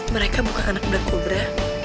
mereka bukan anak anak kobra